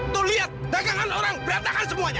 tuh lihat dagangan orang berantakan semuanya